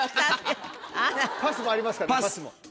パスもありますからパスも。